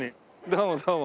どうもどうも。